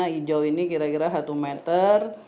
hijau ini kira kira satu meter